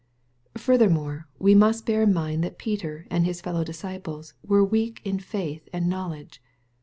Furthermore we must bear in mind that Peter and his fellow disciples were weak in faith and knowledge.